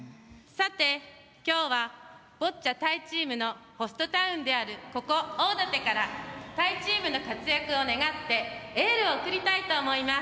きょうはボッチャ、タイチームのホストタウンであるここ大館からタイチームの活躍を願ってエールを送りたいと思います。